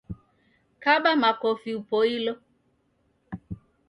Kaba makofi upoilo